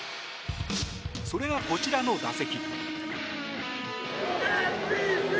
それがこちらの打席。